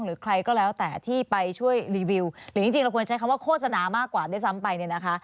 หรือใครก็แล้วแต่ที่ไปช่วยรีวิวหรือจริงเราควรใช้คำว่าโฆษณามากกว่าด้วยซ้ำไปเนี่ยนะคะ